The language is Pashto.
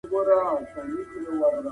د نساجۍ تولیدات د پخوا په پرتله ښه سوي دي.